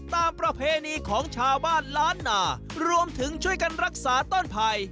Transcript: ประเพณีของชาวบ้านล้านนารวมถึงช่วยกันรักษาต้นไผ่